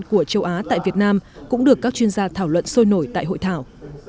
của châu á tại việt nam cũng được các chuyên gia thảo luận sôi nổi tại hội thảo